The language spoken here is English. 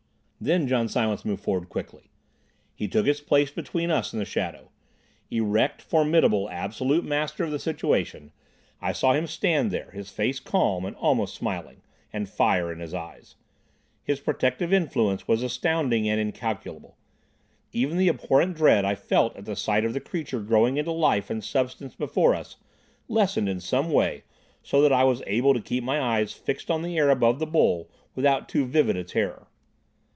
Then John Silence moved forward quickly. He took his place between us and the shadow. Erect, formidable, absolute master of the situation, I saw him stand there, his face calm and almost smiling, and fire in his eyes. His protective influence was astounding and incalculable. Even the abhorrent dread I felt at the sight of the creature growing into life and substance before us, lessened in some way so that I was able to keep my eyes fixed on the air above the bowl without too vivid a terror.